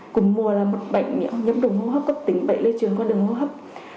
cúm mùa là một bệnh nhiễm đồng hô hấp cấp tính bệnh lây truyền qua đường hô hấp